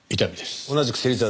同じく芹沢です。